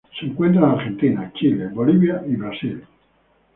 Se encuentra en Argentina, Chile, Bolivia y Brasil.